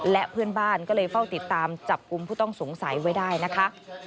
และเพื่อนบ้านก็เลยเฝ้าติดตามจับกลุ่มผู้ต้องสงสัยไว้ได้นะคะ